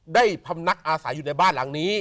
พำนักอาศัยอยู่ในบ้านหลังนี้